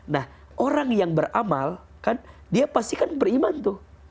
nah orang yang beramal kan dia pasti kan beriman tuh